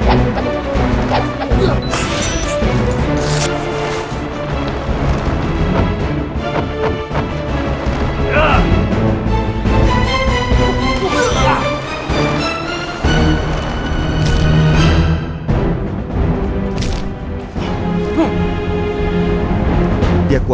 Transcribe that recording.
apakah itu kekuatanku